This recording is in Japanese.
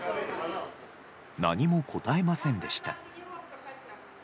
何も答えませんでした。